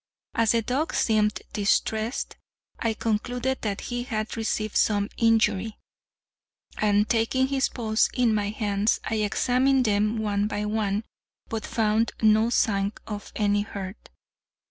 As the dog seemed distressed, I concluded that he had received some injury; and, taking his paws in my hands, I examined them one by one, but found no sign of any hurt.